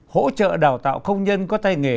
hỗ trợ đào tạo công nhân có tay nghề